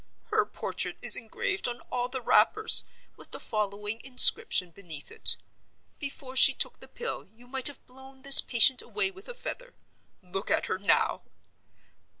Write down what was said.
Her portrait is engraved on all the wrappers, with the following inscription beneath it: 'Before she took the Pill you might have blown this patient away with a feather. Look at her now!!!